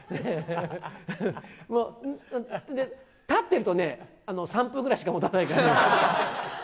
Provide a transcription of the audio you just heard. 立ってるとね、３分ぐらいしかもたないからね。